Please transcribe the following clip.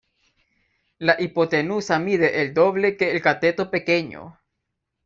La hipotenusa mide el doble que el cateto pequeño.